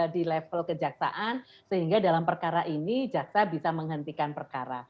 di level kejaksaan sehingga dalam perkara ini jaksa bisa menghentikan perkara